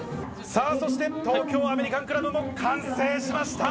さぁ、そして東京アメリカンクラブも完成しました。